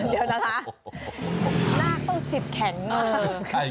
เดี๋ยวนะฮะหน้าต้องจิบแข็งเงิน